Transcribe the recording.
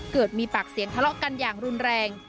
เกิดมีปากเสียงทะเลาะกันอย่างรุนแรง